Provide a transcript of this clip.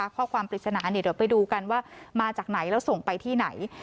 ข้อความปริศนาเนี่ยเดี๋ยวไปดูกันว่ามาจากไหนแล้วส่งไปที่ไหน